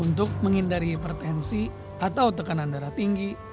untuk menghindari hipertensi atau tekanan darah tinggi